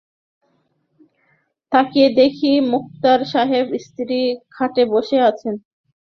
তাকিয়ে দেখি মোক্তার সাহেবের স্ত্রী খাটে বসে আছেন।